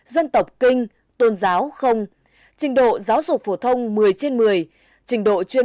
dân tộc kinh tôn giáo không trình độ giáo dục phổ thông một mươi trên một mươi